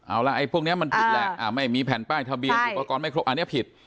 เอาล่ะไอ้พวกนี้มันผิดแหละไม่มีแผ่นป้ายทะเบียนอุปกรณ์ไม่ครบอันนี้ผิด